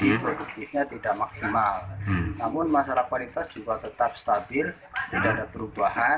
produktifnya tidak maksimal namun masalah kualitas juga tetap stabil tidak ada perubahan